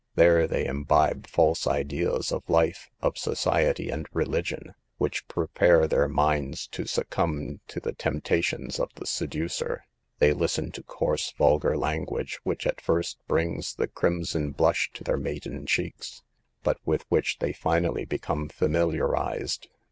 There they imbibe false ideas of life, of society and SOME TEMPTATIONS OF CITY LIFE. 195 religion, which prepare their minds to suc cumb to the temptations of the seducer. They listen to coarse, vulgar language, which at first brings the crimson blush to their maiden cheeks, but with which they finally become familiarized.